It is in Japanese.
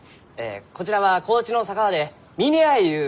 こちらは高知の佐川で峰屋ゆう